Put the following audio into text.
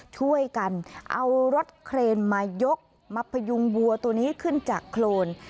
ช่วยกันเอารถเครนมายกมาพยุงวัวตัวนี้ขึ้นจากโครน